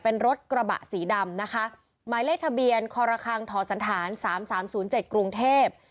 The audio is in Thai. เป็นรถกระบะสีดำนะคะหมายเลขทะเบียนคคทศ๓๓๐๗กรุงเทพฯ